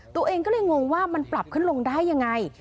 ตัวเองก็เลยงงว่ามันปรับขึ้นลงได้ยังไง